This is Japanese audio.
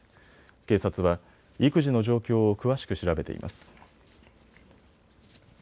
警察は育児の状況を詳しく調べています。